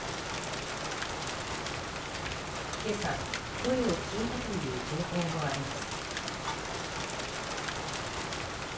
今朝、声を聞いたという情報もあります。